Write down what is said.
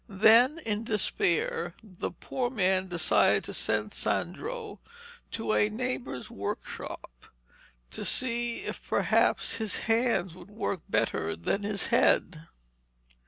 Then in despair the poor man decided to send Sandro to a neighbour's workshop, to see if perhaps his hands would work better than his head.